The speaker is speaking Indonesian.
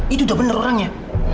itu udah beneran ya